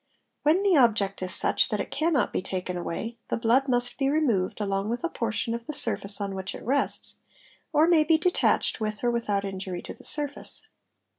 it | When the object is such that it cannot be taken away the blood must be removed along with a portion of the surface on which it rests, or may _ be detached, with or without injury to the surface.